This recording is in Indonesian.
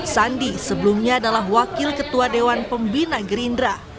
sandi sebelumnya adalah wakil ketua dewan pembina gerindra